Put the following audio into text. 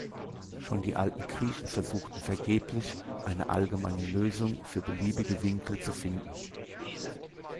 Schon die alten Griechen versuchten vergeblich, eine allgemeine Lösung für beliebige Winkel zu finden.